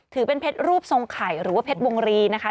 ถือเป็นเพชรรูปทรงไข่หรือว่าเพชรวงรีนะคะ